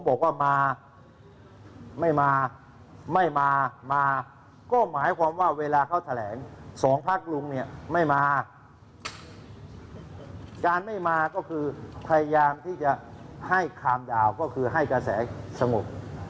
บอกว่าที่จะคาดความด่าวก็คือให้กระแสสงบ